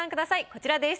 こちらです。